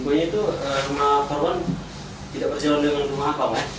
ingkonya itu rumah korban tidak berjalan dengan rumah akam ya